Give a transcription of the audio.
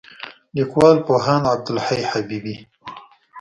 لیکوال: پوهاند عبدالحی حبیبي